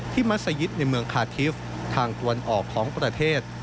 ที่มัสยิคในเมืองคาร์ทิฟที่มัดซัยิชทางตวนออกของประเทศ